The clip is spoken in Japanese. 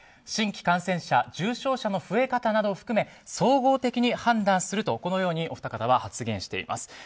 新規感染者、重症者の増え方なども含めて総合的に判断するとこのようにお二方は発言しています。